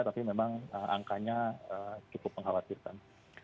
tapi memang angkanya cukup mengkhawatirkan